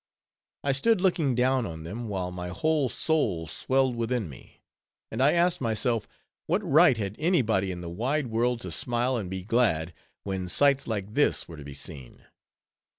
I stood looking down on them, while my whole soul swelled within me; and I asked myself, What right had any body in the wide world to smile and be glad, when sights like this were to be seen?